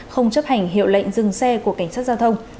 không chấp hành hiệu lệnh dừng xe của cảnh sát giao thông